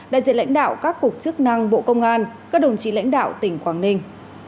đại diện lãnh đạo các cục chức năng bộ công an các đồng chí lãnh đạo tỉnh quảng ninh